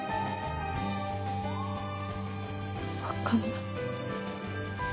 分かんない。